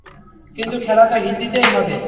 কিন্তু খেলা তো হিন্দিতেই হবে।